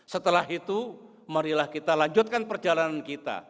setelah itu marilah kita lanjutkan perjalanan kita